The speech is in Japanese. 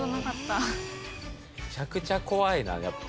むちゃくちゃ怖いなやっぱ。